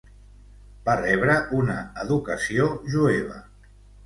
Va rebre una educació jueva.